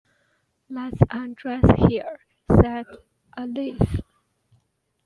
“Let’s undress here,” said Elise.